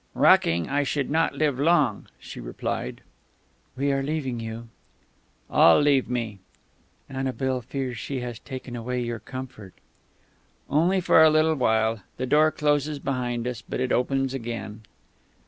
"Rocking, I should not live long," she replied. "We are leaving you." "All leave me." "Annabel fears she has taken away your comfort." "Only for a little while. The door closes behind us, but it opens again."